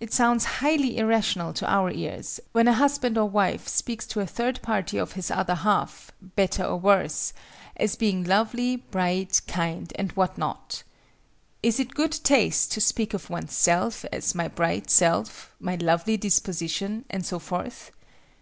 It sounds highly irrational to our ears, when a husband or wife speaks to a third party of his other half—better or worse—as being lovely, bright, kind, and what not. Is it good taste to speak of one's self as "my bright self," "my lovely disposition," and so forth?